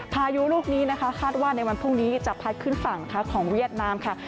พายุลูกนี้นะคะคาดว่าในวันพรุ่งนี้จะพัดขึ้นฝั่งของเวียดนามค่ะ